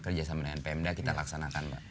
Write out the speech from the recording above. kerja sama pmda kita laksanakan pak